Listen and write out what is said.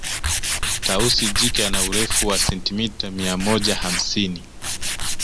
Tausi jike ana Urefu wa sentimita mia moja hamsini